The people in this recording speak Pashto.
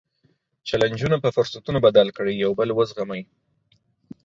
جیلنجونه په فرصتونو بدل کړئ، یو بل وزغمئ.